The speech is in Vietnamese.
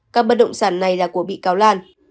các bất động sản này là của bị cáo lan